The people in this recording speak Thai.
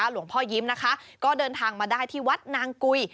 หลวงพ่อยิ้มนะคะก็เดินทางมาได้ที่วัดนางกุย